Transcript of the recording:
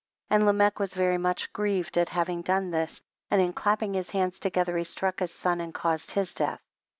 31. And Lamech was very much grieved at having done this, and in clapping his hands together he struck his son and caused his death.